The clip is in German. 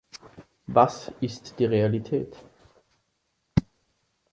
Was ist die Realität?